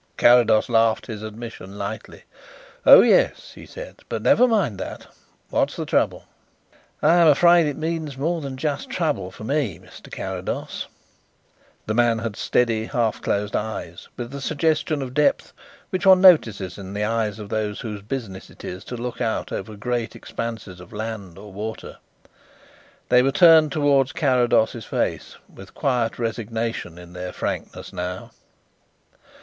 Carrados laughed his admission lightly. "Oh yes," he said. "But never mind that. What is the trouble?" "I'm afraid it means more than just trouble for me, Mr. Carrados." The man had steady, half closed eyes, with the suggestion of depth which one notices in the eyes of those whose business it is to look out over great expanses of land or water; they were turned towards Carrados's face with quiet resignation in their frankness now.